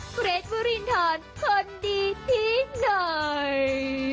เพริศพระเอกรินทรนคนดีที่น้อย